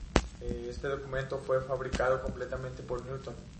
Ese documento fue fabricado completamente por Newton.